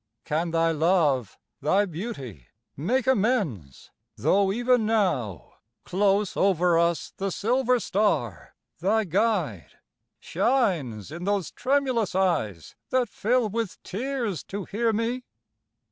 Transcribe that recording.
Can thy love, Thy beauty, make amends, tho' even now, Close over us, the silver star, thy guide, Shines in those tremulous eyes that fill with tears To hear me?